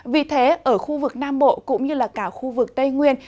vì thế ở khu vực nam bộ cũng như là cả khu vực tây nguyên